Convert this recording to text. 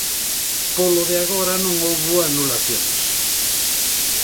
Polo de agora non houbo anulacións.